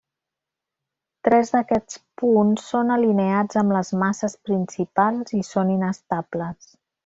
Tres d'aquests punts són alineats amb les masses principals i són inestables.